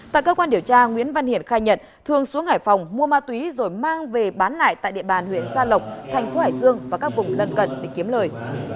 tại cơ quan điều tra nguyễn văn hiển khai nhận thường xuống hải phòng mua ma túy rồi mang về bán lại tại địa bàn huyện gia lộc thành phố hải dương và các vùng lân cận để kiếm lời